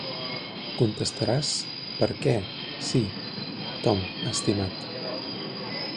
Contestaràs "per què, sí, Tom, estimat".